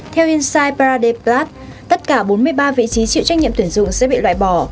theo inside paradise plus tất cả bốn mươi ba vị trí chịu trách nhiệm tuyển dụng sẽ bị loại bỏ